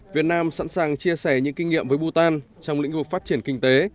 việt nam sẵn sàng chia sẻ những kinh nghiệm với bù tàn trong lĩnh vực phát triển kinh tế